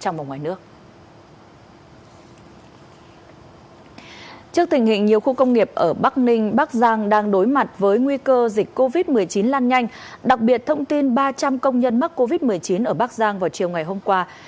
trong công nhân mắc covid một mươi chín ở bắc giang vào chiều ngày hôm qua